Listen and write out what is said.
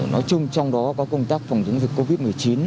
nói chung trong đó có công tác phòng chống dịch covid một mươi chín